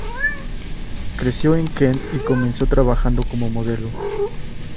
Creció en Kent y comenzó trabajando como modelo.